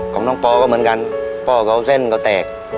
ของน้องปอก็เหมือนกันพ่อเขาเส้นเขาแตก